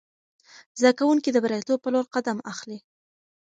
زده کوونکي د بریالیتوب په لور قدم اخلي.